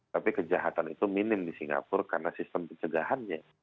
tapi kejahatan itu minim di singapura karena sistem pencegahannya